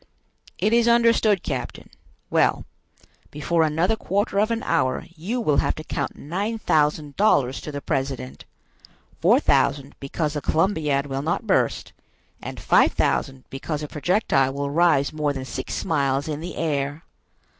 "It is understood, captain. Well, before another quarter of an hour you will have to count nine thousand dollars to the president; four thousand because the Columbiad will not burst, and five thousand because the projectile will rise more than six miles in the air."